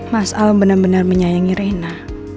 mas al benar benar menyayangi reina